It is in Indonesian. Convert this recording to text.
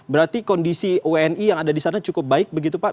berarti kondisi wni yang ada di sana cukup baik begitu pak